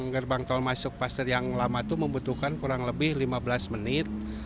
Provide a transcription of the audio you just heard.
gerbang tol masuk pasir yang lama itu membutuhkan kurang lebih lima belas menit